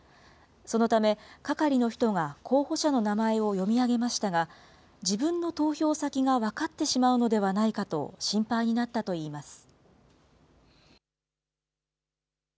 そのため、係の人が候補者の名前を読み上げましたが、自分の投票先が分かってしまうのではないかと心配になったといいます。